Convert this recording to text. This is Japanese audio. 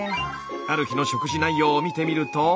ある日の食事内容を見てみると。